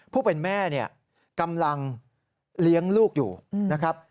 ผู้เป็นแม่เนี่ยกำลังเลี้ยงลูกอยู่นะครับ